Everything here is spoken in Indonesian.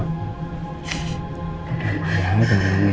kamu baik baik saja